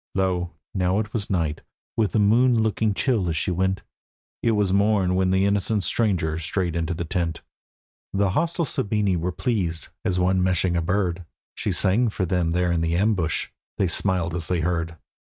Lo, now it was night, with the moon looking chill as she went: It was morn when the innocent stranger strayed into the tent. The hostile Sabini were pleased, as one meshing a bird; She sang for them there in the ambush: they smiled as they heard.